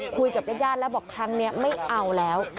คุยกับญาติแล้วบอกครั้งนี้ไม่เอาแล้ว